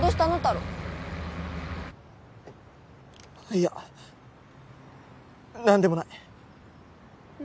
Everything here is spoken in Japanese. いや何でもない。